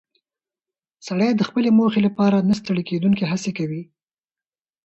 سړی د خپلې موخې لپاره نه ستړې کېدونکې هڅه کوي